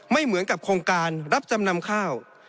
ไม่เหมือนกับโครงการรับจำนำข้าว